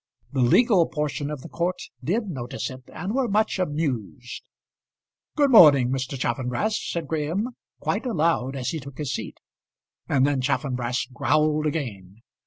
The legal portion of the court did notice it and were much amused. "Good morning, Mr. Chaffanbrass," said Graham quite aloud as he took his seat; and then Chaffanbrass growled again.